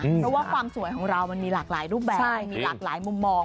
เพราะว่าความสวยของเรามันมีหลากหลายรูปแบบมันมีหลากหลายมุมมอง